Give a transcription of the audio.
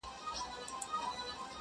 دوی به هم پر یوه بل سترګي را سرې کړي٫